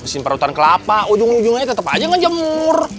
mesin perutan kelapa ujung ujungnya tetep aja gak jemur